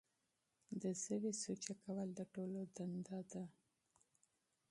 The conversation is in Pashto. د ژبې سوچه کول د ټولو دنده ده.